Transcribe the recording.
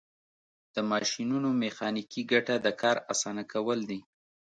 د ماشینونو میخانیکي ګټه د کار اسانه کول دي.